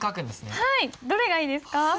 どれがいいですか？